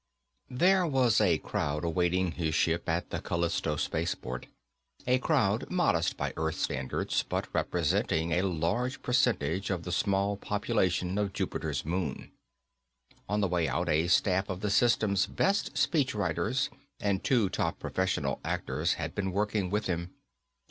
There was a crowd awaiting his ship at the Callisto Spaceport. A crowd modest by Earth standards but representing a large percentage of the small population of Jupiter's moon. On the way out, a staff of the system's best speech writers, and two top professional actors had been working with him.